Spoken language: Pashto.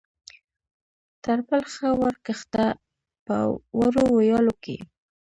تر پل ښه ور کښته، په وړو ویالو کې.